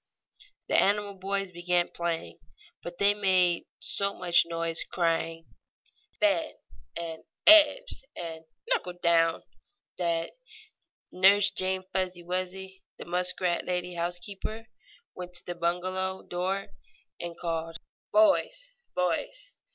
The animal boys began playing, but they made so much noise, crying "Fen!" and "Ebbs!" and "Knuckle down!" that Nurse Jane Fuzzy Wuzzy, the muskrat lady housekeeper, went to the bungalow door and called: "Boys! Boys!